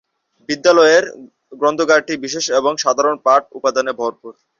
বিদ্যালয়ের গ্রন্থাগারটি বিশেষ এবং সাধারণ পাঠ্য উপাদানে ভরপুর।